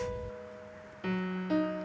taruh di meja